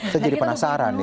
saya jadi penasaran nih